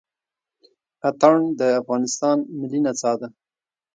اتڼ د افغانستان ملي نڅا ده.